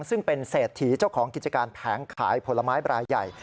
ซึ่งเป็นเศรษฐีเจ้าของกิจการแผงขายผลไม้บรายใหญ่